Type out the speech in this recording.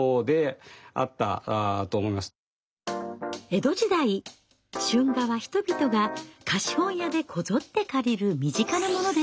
江戸時代春画は人々が貸本屋でこぞって借りる身近なものでした。